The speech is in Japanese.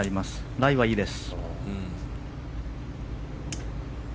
ライはいいです。